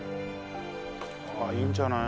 いいんじゃない？